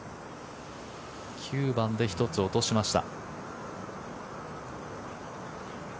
９番で１つ落としました。